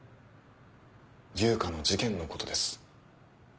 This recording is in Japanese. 悠香の事件のことです。